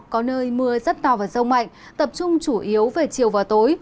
có nơi mưa rất to và rông mạnh tập trung chủ yếu về chiều và tối